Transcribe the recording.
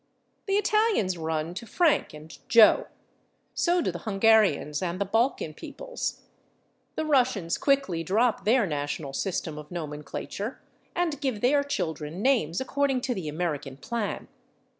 The Italians run to /Frank/ and /Joe/; so do the Hungarians and the Balkan peoples; the Russians quickly drop their national system of nomenclature and give their children names according to the American plan.